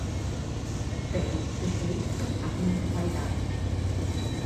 Pero, pese a isto, aquí non se fai nada.